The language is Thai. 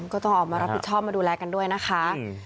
ก็ต้องออกมารับผิดชอบมาดูแลกันด้วยนะคะ